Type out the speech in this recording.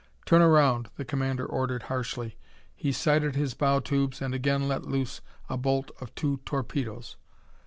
"Turn around," the commander ordered harshly. He sighted his bow tubes and again let loose a bolt of two torpedoes.